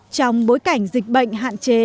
trong bối cảnh dịch bệnh hạn chế